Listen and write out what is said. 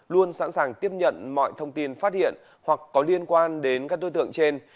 luôn sẵn sàng tiếp nhận mọi thông tin phát hiện hoặc có liên quan đến các đối tượng trên